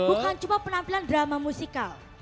bukan cuma penampilan drama musikal